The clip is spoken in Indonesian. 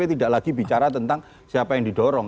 tidak lagi bicara tentang siapa yang didorong